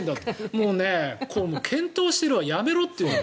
もう、検討してるはやめろっていうの。